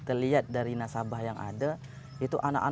karena kita lihat dari nasabah yang ada itu kan memang luar biasa sekali